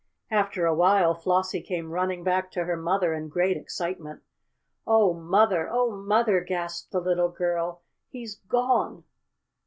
After a while Flossie came running back to her mother in great excitement. "Oh, Mother! Oh, Mother!" gasped the little girl. "He's gone!"